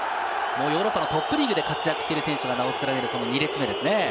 ヨーロッパのトップリーグで活躍している選手が名を連ねる２列目ですね。